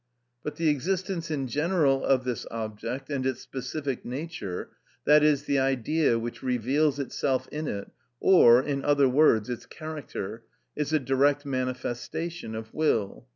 But the existence in general of this object, and its specific nature, i.e., the Idea which reveals itself in it, or, in other words, its character, is a direct manifestation of will.